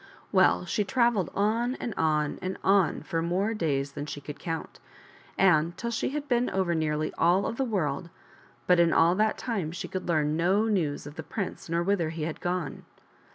Well, she travelled on and on and on for more days than she could count, and till she had been over nearly all of the world, but in all that time she could learn no news of the prince nor of whither he had gone.